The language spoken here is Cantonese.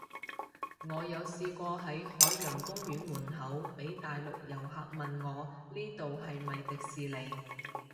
我有試過喺海洋公園門口，被大陸遊客問我呢度係咪迪士尼